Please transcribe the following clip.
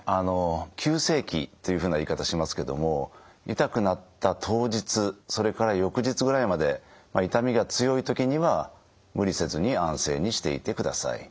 急性期っていうふうな言い方しますけども痛くなった当日それから翌日ぐらいまで痛みが強い時には無理せずに安静にしていてください。